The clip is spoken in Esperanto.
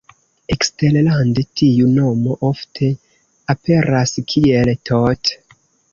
Eksterlande tiu nomo ofte aperas kiel Tot.